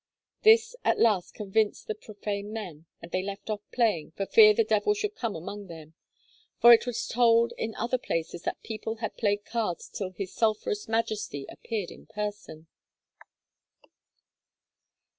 This at last convinced the profane men, and they left off playing, for fear the devil should come among them. For it was told in other places that people had played cards till his sulphurous majesty appeared in person.